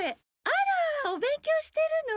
あらお勉強してるの？